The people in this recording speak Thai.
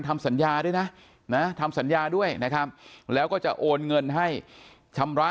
ทำสัญญาด้วยนะทำสัญญาด้วยนะครับแล้วก็จะโอนเงินให้ชำระ